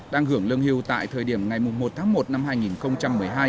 đang hưởng lương hưu tại thời điểm ngày một tháng một năm hai nghìn một mươi hai